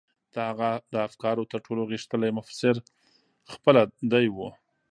د هغه د افکارو تر ټولو غښتلی مفسر خپله دی و.